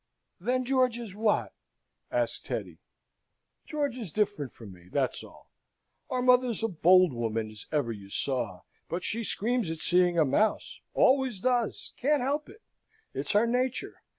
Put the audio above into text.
"Then George is what?" asked Hetty. "George is different from me, that's all. Our mother's a bold woman as ever you saw, but she screams at seeing a mouse always does can't help it. It's her nature.